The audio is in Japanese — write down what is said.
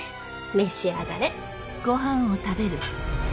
召し上がれ。